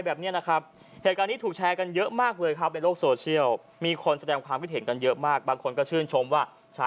แสดงว่าหนุ่มคนนี้เขามีประสบการณ์พอสมควรนะ